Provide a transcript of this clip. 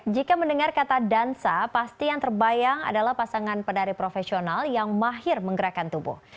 jika mendengar kata dansa pasti yang terbayang adalah pasangan penari profesional yang mahir menggerakkan tubuh